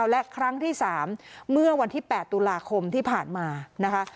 และครั้งที่๓เมื่อวันที่๘ตุลาคมที่ผ่านมานะคะ